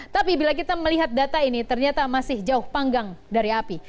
tapi bila kita melihat data ini ternyata masih jauh panggang dari api